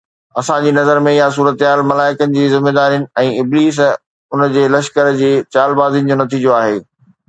اسان جي نظر ۾ اها صورتحال ملائڪن جي ذميدارين ۽ ابليس ۽ ان جي لشڪر جي چالبازين جو نتيجو آهي.